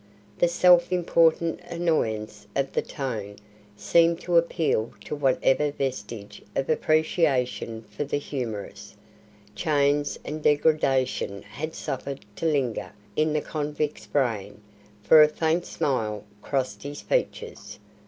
The self important annoyance of the tone seemed to appeal to whatever vestige of appreciation for the humorous, chains and degradation had suffered to linger in the convict's brain, for a faint smile crossed his features.